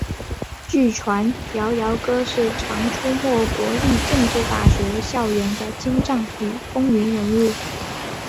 据传摇摇哥是常出没国立政治大学校园的精障与风云人物。